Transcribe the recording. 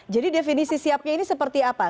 jadi definisi siapnya ini seperti apa